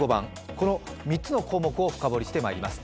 この３つの項目を深掘りしてまいります